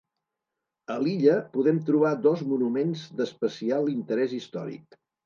A l'illa, podem trobar dos monuments d'especial interès històric.